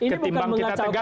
ketimbang kita tegakkan hukum